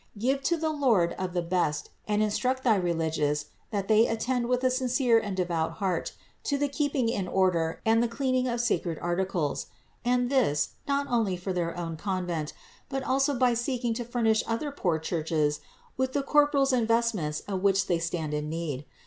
Give to the Lord of the best, and instruct thy religious that they attend with a sincere and devout heart to the keeping in order and the cleaning of the sacred articles ; and this not only for their own convent, but also by seeking to furnish other poor churches with the corporals and vest ments of which they stand in need.